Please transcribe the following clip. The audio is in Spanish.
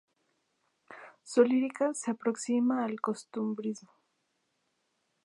Su lírica se aproxima al costumbrismo.